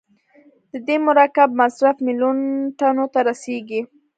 د دې مرکب مصرف میلیون ټنو ته رسیږي.